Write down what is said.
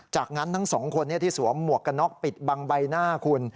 จากนั้นทั้งสองคนที่สวมหมวกกันน็อกปิดบังใบหน้าคุณ